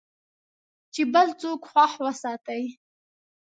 چې بل څوک خوښ وساتې .